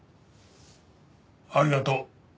ありがとう。